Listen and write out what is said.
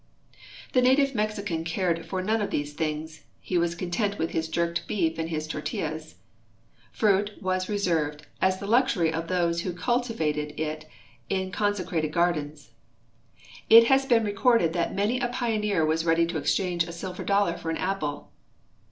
The native Mexican cared for none of these things ; he was con tent with his jerked beef and his tortillas. Fruit was reserved as the luxury of those who cultivated it in eonsecrated gardens. It has been recorded that many a pioneer was ready to exchange a silver dollar for an ap})le.